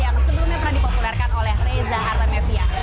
yang sebelumnya pernah dipopulerkan oleh reza artamevia